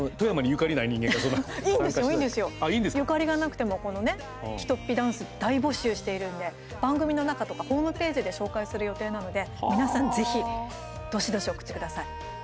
ゆかりがなくても、このねきとっピダンス大募集しているんで番組の中とかホームページで紹介する予定なので、皆さんぜひ、どしどし送ってください。